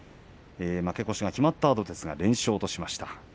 負け越しが決まったあとですが連勝としました。